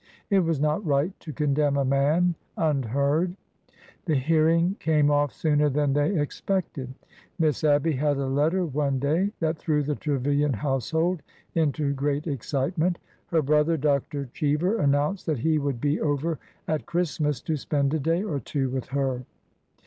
It was not right to con demn a man unheard. The hearing came off sooner than they expected. Miss Abby had a letter one day that threw the Tre vilian household into great excitement. Her brother. Dr. Cheever, announced that he would be over at Christmas to spend a day or two with her.